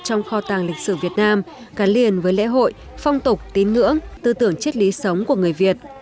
trong kho tàng lịch sử việt nam gắn liền với lễ hội phong tục tín ngưỡng tư tưởng chất lý sống của người việt